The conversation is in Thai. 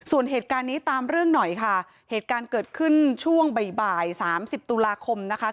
ส่วนเหตุการณ์นี้ตามเรื่องหน่อยค่ะเหตุการณ์เกิดขึ้นช่วงบ่ายบ่ายสามสิบตุลาคมนะคะ